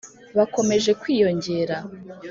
bakomeje kwiyongera